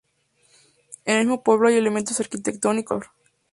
En el mismo pueblo hay elementos arquitectónicos de gran valor.